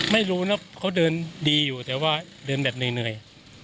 ไม่รู้นะเขาเดินดีอยู่แต่ว่าเดินแบบเหนื่อย